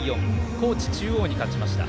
高知中央に勝ちました。